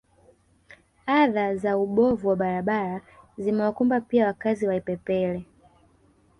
Adha za ubovu wa barabara zimewakumba pia wakazi wa Ipepele